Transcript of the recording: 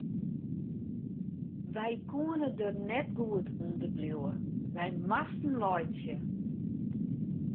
Wy koene der net goed ûnder bliuwe, wy moasten laitsje.